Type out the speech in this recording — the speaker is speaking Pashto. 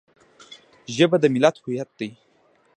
ژبه د ملت هویت دی